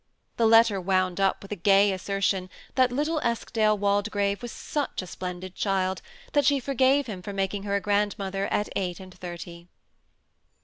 The letter wound up with a gay assertion that little Eskdale Waldegrave was such a splendid child, that she forgave 4 12 THE SEMI ATTACHED COUPLE. him for making her a grandmother at eight and thirty.